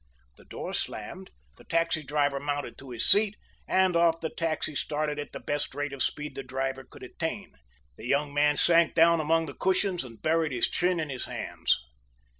The door slammed, the taxi driver mounted to his seat, and off the taxi started at the best rate of speed the driver could attain. The young man sank down among the cushions and buried his chin in his hands.